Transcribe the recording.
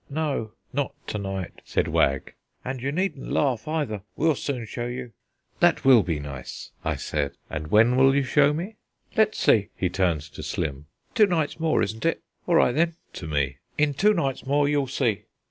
"No, not to night," said Wag; "and you needn't laugh, either we'll soon show you." "That will be nice," I said; "and when will you show me?" "Let's see" (he turned to Slim), "two nights more, isn't it? All right then (to me), in two nights more you'll see."